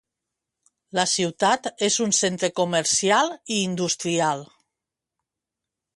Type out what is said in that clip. La ciutat és un centre comercial i industrial.